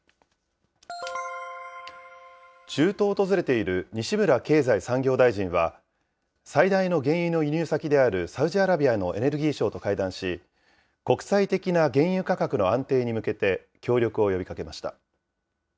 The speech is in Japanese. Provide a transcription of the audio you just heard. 中東を訪れている西村経済産業大臣は、最大の原油の輸入先であるサウジアラビアのエネルギー相と会談し、国際的な原油価格の安定に向けて協力を呼びかけました。